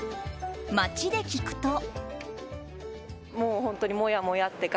街で聞くと。